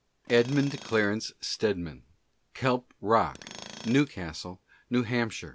Edmund Clarence Stedman: "Kelp Rock" New Castle, N. If.